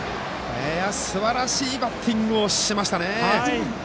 すばらしいバッティングをしましたね！